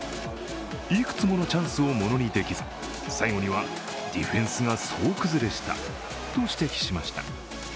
いくつものチャンスをものにできず、最後には総崩れしたと指摘しました。